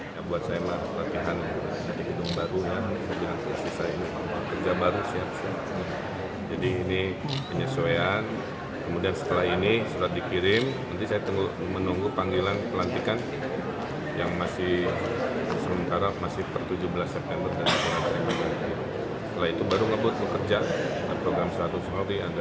yaitu baru ngebut pekerjaan program seratus hari ada program dua ribu sembilan belas